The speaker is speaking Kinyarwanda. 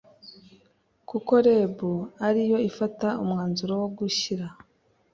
kuko rebu ari yo ifata umwanzuro wo gushyira